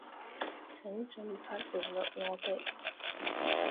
請盡快聯絡我哋